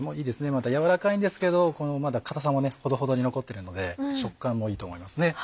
また軟らかいんですけど硬さもほどほどに残ってるので食感もいいと思います。